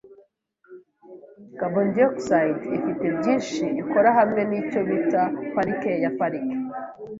CO₂ ifite byinshi ikora hamwe nicyo bita parike ya parike.